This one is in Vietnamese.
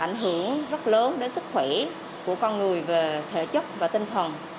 ảnh hưởng rất lớn đến sức khỏe của con người về thể chất và tinh thần